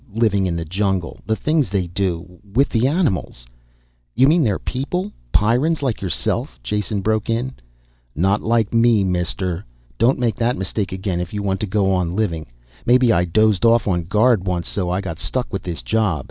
Living in the jungle. The things they do with the animals " "You mean they're people ... Pyrrans like yourself?" Jason broke in. "Not like me, mister. Don't make that mistake again if you want to go on living. Maybe I dozed off on guard once so I got stuck with this job.